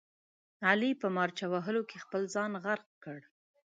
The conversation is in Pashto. علي په مارچه وهلو کې خپل ځان غرق کړ.